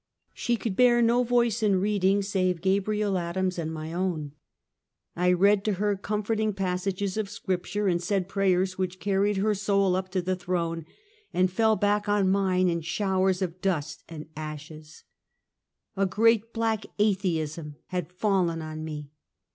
" She could bear no voice in reading save Gabriel Ad ams' and my own. I read to her comforting passages of Scripture, and said prayers which carried her soul up to the throne, and fell back on mine in showers of dust and ashes, A great black atheism had fallen on me.